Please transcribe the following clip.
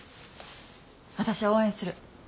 私は応援する。